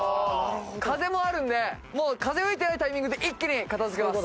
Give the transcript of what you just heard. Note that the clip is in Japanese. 風もあるので風が吹いてないタイミングで一気に片付けます。